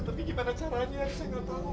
tapi bagaimana caranya saya tidak tahu